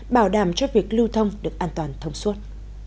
bảo đảm cho việc lưu thông được an toàn thông suốt